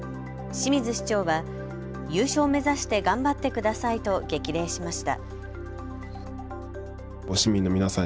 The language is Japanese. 清水市長は優勝目指して頑張ってくださいと激励しました。